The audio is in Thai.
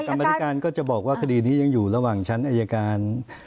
กรรมธิการก็จะบอกว่าคดีนี้ยังอยู่ระหว่างชั้นอายการ